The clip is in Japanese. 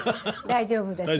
大丈夫ですか。